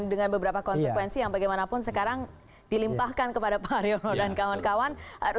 dengan beberapa konsekuensi yang bagaimanapun sekarang dilimpahkan kepada pak haryono dan kawan kawan